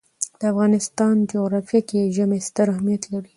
د افغانستان جغرافیه کې ژمی ستر اهمیت لري.